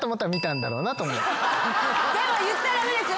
でも言っちゃ駄目ですよ。